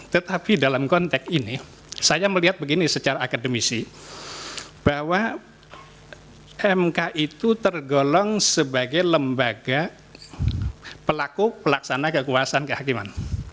tetapi dalam konteks ini saya melihat begini secara akademisi bahwa mk itu tergolong sebagai lembaga pelaku pelaksana kekuasaan kehakiman